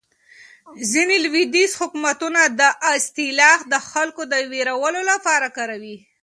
ځینې لویدیځ حکومتونه دا اصطلاح د خلکو د وېرولو لپاره کاروي.